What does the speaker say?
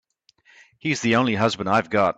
He's the only husband I've got.